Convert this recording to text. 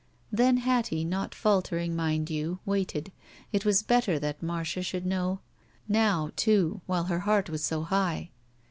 Then Hattie, not faltering, mind you, waited. It was better that Marcia should know. Now, too, while her heart was so high.